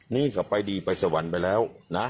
นี่ก็ไปดีไปสวรรค์ไปแล้วนะ